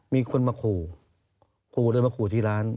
มีคนมาขู่ขู่เลยมาขู่ที่ร้าน